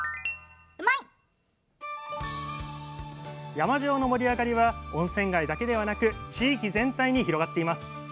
山塩の盛り上がりは温泉街だけではなく地域全体に広がっています